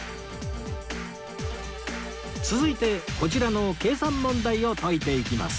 続いてこちらの計算問題を解いていきます